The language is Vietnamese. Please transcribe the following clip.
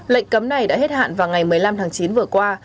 lệnh cấm này đã hết hạn vào ngày một mươi năm tháng chín vừa qua